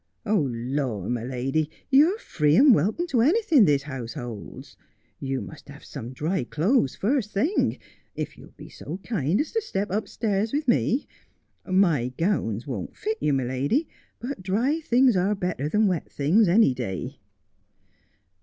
' Lor, my lady, you're free and welcome to anything this house holds. You must have some dry clothes first thing, if you'll be so kind as to step upstairs with me. My gowns won't fit you, my lady, but dry things are better than wet things any ay.'